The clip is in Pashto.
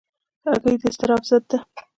هګۍ د اضطراب ضد ده.